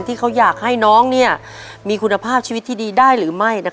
ที่เขาอยากให้น้องมีคุณภาพชีวิตที่ดีได้หรือไม่